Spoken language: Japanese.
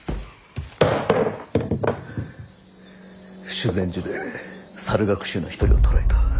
修善寺で猿楽衆の一人を捕らえた。